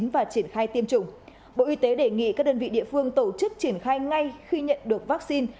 và triển khai tiêm chủng bộ y tế đề nghị các đơn vị địa phương tổ chức triển khai ngay khi nhận được vaccine